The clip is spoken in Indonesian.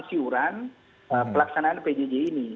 pengsiuran pelaksanaan pjj ini